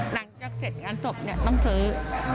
หลังจากเสร็จงานศพเนี่ยต้องซื้อ